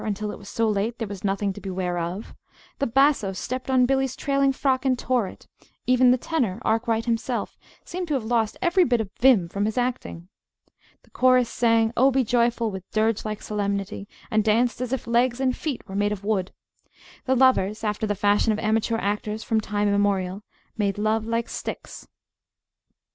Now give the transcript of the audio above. until it was so late there was nothing to beware of; the basso stepped on Billy's trailing frock and tore it; even the tenor, Arkwright himself, seemed to have lost every bit of vim from his acting. The chorus sang "Oh, be joyful!" with dirge like solemnity, and danced as if legs and feet were made of wood. The lovers, after the fashion of amateur actors from time immemorial, "made love like sticks."